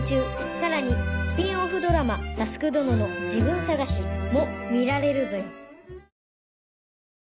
さらにスピンオフドラマ『佑どののジブン探し』も見られるぞよ